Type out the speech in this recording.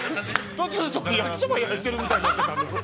途中、焼きそば焼いてるみたいになってた。